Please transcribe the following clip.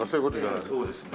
ええそうですね。